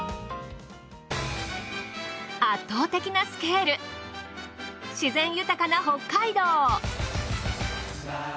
圧倒的なスケール自然豊かな北海道。